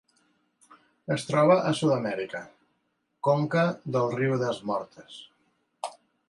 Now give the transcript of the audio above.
Es troba a Sud-amèrica: conca del riu Das Mortes.